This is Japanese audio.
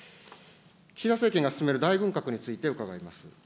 岸田政権が進める大軍拡について、申し上げます。